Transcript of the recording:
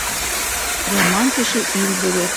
Яман кеше ил боҙор.